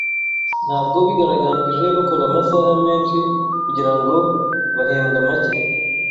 Ntabwo bigaragambije bakora amasaha menshi kugirango bahembwa make.